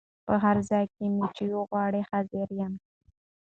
په هر ځای کي چي مي وغواړی حضور یم